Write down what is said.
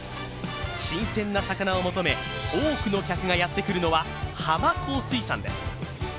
新鮮な魚を求め多くの客がやってくるのは浜光水産です。